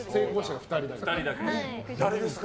誰ですか？